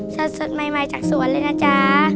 สดใหม่จากสวนเลยนะจ๊ะ